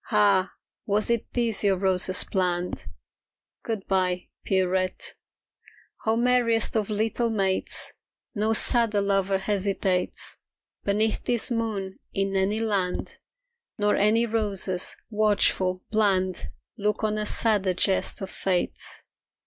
Ah, was it this your roses planned? Good bye, Pierrette. Oh, merriest of little mates, No sadder lover hesitates Beneath this moon in any land; Nor any roses, watchful, bland, Look on a sadder jest of Fate's.